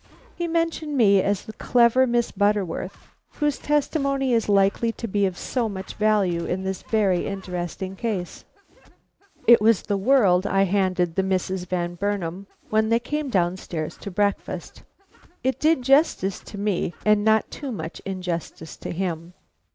He mentioned me as the clever Miss Butterworth whose testimony is likely to be of so much value in this very interesting case. It was the World I handed the Misses Van Burnam when they came down stairs to breakfast. It did justice to me and not too much injustice to him.